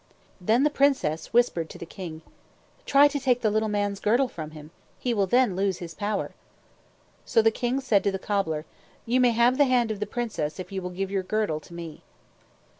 Then the princess whispered to the king, "Try to take the little man's girdle from him. He will then lose his power." So the king said to the cobbler, "You may have the hand of the princess if you will give your girdle to me."